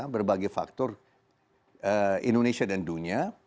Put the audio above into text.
berbagai faktor indonesia dan dunia